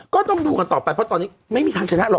ก็ต้องดูกันต่อไปเพราะตอนนี้ไม่มีทางชนะหรอ